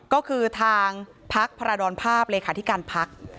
ก็คือทางพักพาราดรภาพเลขาธิการพัก